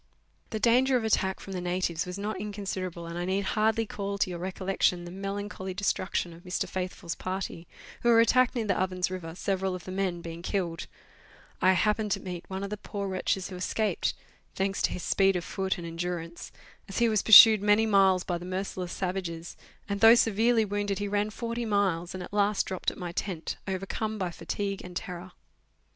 The danger of attack from the natives was not inconsiderable, and I need hardly call to your recollection the melancholy destruction of Mr. Faithfull's party, who were attacked near the Ovens River, several of the men being killed. I happened to meet one of the poor wretches who escaped, thanks to his speed of foot 1 This cod is, I believe, really a perch. B 242 Letters from Victorian Flowers. and endurance, as he was pursued many miles by the merciless savages, and, though severely wounded, he ran forty miles, and at last dropped at my tent overcome by fatigue and terror.